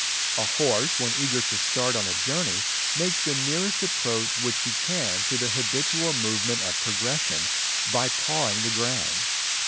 A horse when eager to start on a journey makes the nearest approach which he can to the habitual movement of progression by pawing the ground.